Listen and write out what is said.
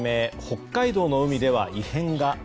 北海道の海では異変が。